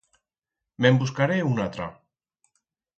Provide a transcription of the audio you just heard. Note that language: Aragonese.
Me'n buscaré una atra.